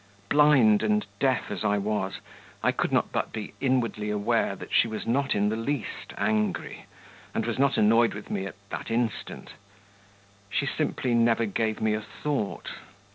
Blind and deaf as I was, I could not but be inwardly aware that she was not in the least angry, and was not annoyed with me at that instant: she simply never gave me a thought.